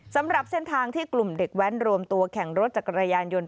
สำหรับเส้นทางที่กลุ่มเด็กแว้นรวมตัวแข่งรถจักรยานยนต์